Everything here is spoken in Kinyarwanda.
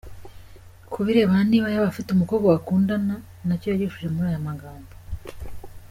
Ku birebana niba yaba afite umukobwa bakundana , nacyo yagisubije muri aya magambo.